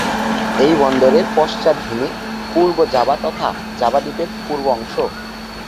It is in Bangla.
এই বন্দরের পশ্চাৎ ভূমি পূর্ব জাভা তথা জাভা দ্বীপের পূর্ব অংশ।